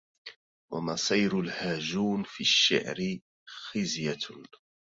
وما سير الهاجون في الشعر خزية